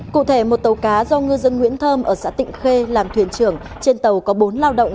cụ thể một tàu cá do ngư dân nguyễn thơm ở xã tịnh khê làm thuyền trưởng trên tàu có bốn lao động